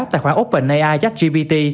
tài khoản openai chách gbt